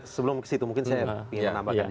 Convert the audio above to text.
sebelum ke situ mungkin saya ingin menambahkan